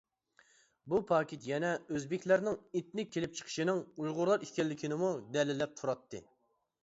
بۇ پاكىت يەنە ئۆزبېكلەرنىڭ ئېتنىك كېلىپ چىقىشىنىڭ ئۇيغۇرلار ئىكەنلىكىنىمۇ دەلىللەپ تۇراتتى.